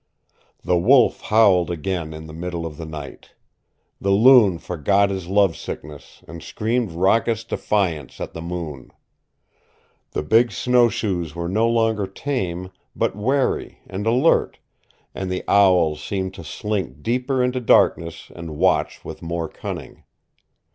The wolf howled again in the middle of the night. The loon forgot his love sickness, and screamed raucous defiance at the moon. The big snowshoes were no longer tame, but wary and alert, and the owls seemed to slink deeper into darkness and watch with more cunning.